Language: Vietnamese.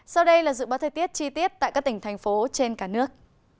sau đây là dự báo thời tiết chi tiết tại các tỉnh thành phố trên cả nước